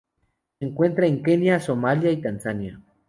Se encuentra en Kenia, Somalia, Tanzania.